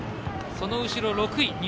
その後ろ６位。